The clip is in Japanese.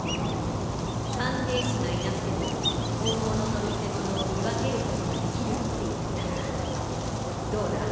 鑑定士がいなくても本物と偽物を見分けることができるって言ったらどうだ？